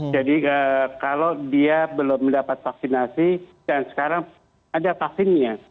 jadi kalau dia belum mendapat vaksinasi dan sekarang ada vaksinnya